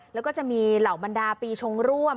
แล้วก็จะมีเหล่าบรรดาปีชงร่วม